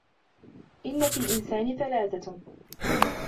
إنَّ فِي الْإِنْسَانِ ثَلَاثَةً